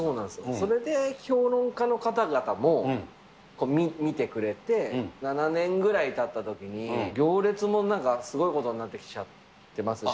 それで評論家の方々も見てくれて、７年ぐらいたったときに、行列もなんかすごいことになってきちゃってますし。